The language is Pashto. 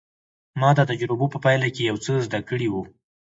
ما د تجربو په پايله کې يو څه زده کړي وو.